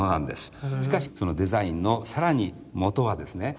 しかしそのデザインの更に元はですね